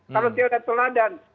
kalau dia sudah teladan